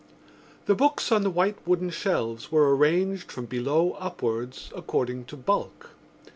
The books on the white wooden shelves were arranged from below upwards according to bulk.